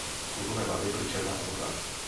Klubové barvy byly černá a zlatá.